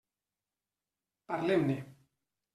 Parlem-ne.